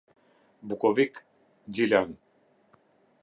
Bukovik, Gjilan